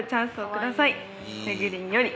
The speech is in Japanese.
「めぐりんより」。